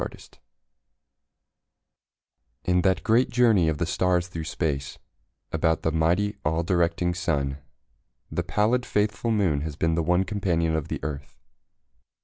A SOLAR ECLIPSE In that great journey of the stars through space About the mighty, all directing Sun, The pallid, faithful Moon has been the one Companion of the Earth.